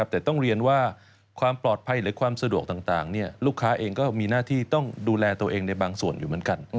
แต่ต้องเรียนว่าความปลอดภัยหรือความสะดวกต่างลูกค้าเองก็มีหน้าที่ต้องดูแลตัวเองในบางส่วนอยู่เหมือนกัน